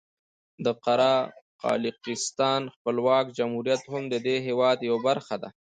د قره قالیاقستان خپلواکه جمهوریت هم د دې هېواد یوه برخه ده.